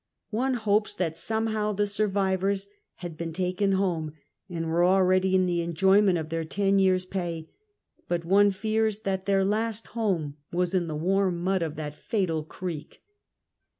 One hopes that somehoAV the survivors had been taken home, and were already in the enjoyment of their ton years' pay. But one fears that their last home was in the Avarm mud of that fatal creek.